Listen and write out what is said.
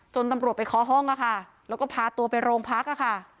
จนตำรวจไปเคาะห้องแล้วก็พาตัวไปโรงพัก